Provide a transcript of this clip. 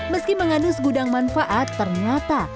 meski mengandung segudang manfaat ternyata